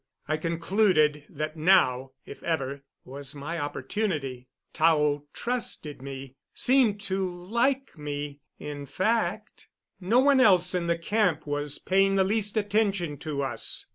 I concluded that now, if ever, was my opportunity. Tao trusted me seemed to like me, in fact. No one else in the camp was paying the least attention to us.